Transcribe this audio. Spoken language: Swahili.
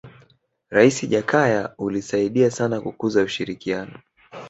raisi jakaya ulisaidia sana kukuza ushirikiano